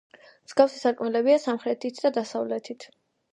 მსგავსი სარკმლებია სამხრეთით და დასავლეთით.